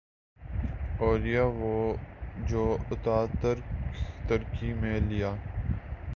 اوریہ وہ جو اتا ترک ترکی میں لایا۔